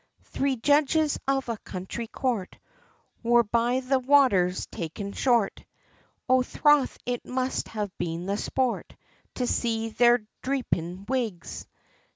Three judges of a county coort, wor by the wathers taken short, O throth, it must have been the sport, to see their dhreepin' wigs!